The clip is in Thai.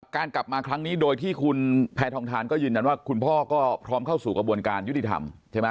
การกลับมาครั้งนี้โดยที่คุณแพทองทานก็ยืนยันว่าคุณพ่อก็พร้อมเข้าสู่กระบวนการยุติธรรมใช่ไหม